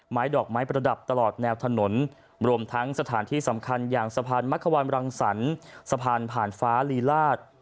ดอกไม้ประดับตลอดแนวถนนรวมทั้งสถานที่สำคัญอย่างสะพานมักขวานรังสรรค์สะพานผ่านฟ้าลีลาศ